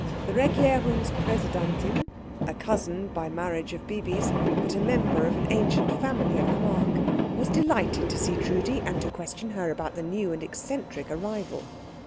The Regierungspräsidentin, a cousin by marriage of Bibi's, but a member of an ancient family of the Mark, was delighted to see Trudi and to question her about the new and eccentric arrival.